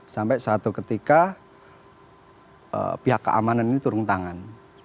sampai suatu ketika pihak keamanan ini turun tangan